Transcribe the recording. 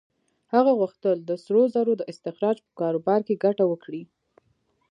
هغه غوښتل د سرو زرو د استخراج په کاروبار کې ګټه وکړي.